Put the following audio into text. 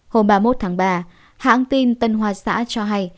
hôm ba mươi một ba hãng tin tân hoa xã cho biết